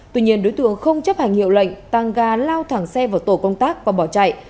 tuy nhiên đối tượng không chấp hành hiệu lệnh tăng ga lao thẳng xe vào tổ công tác và bỏ chạy